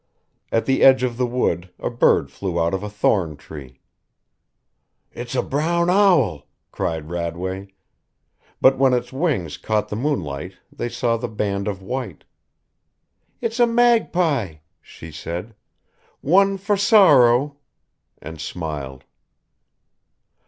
At the edge of the wood a bird flew out of a thorn tree. "It's a brown owl," cried Radway; but when its wings caught the moonlight they saw the band of white. "It's a magpie," she said. "One for sorrow ..." and smiled.